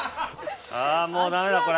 あぁもうダメだこれ。